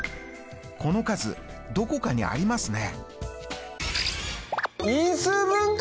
この数どこかにありますね。